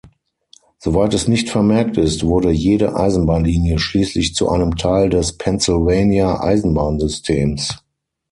Soweit es nicht vermerkt ist, wurde jede Eisenbahnlinie schließlich zu einem Teil des Pennsylvania-Eisenbahnsystems.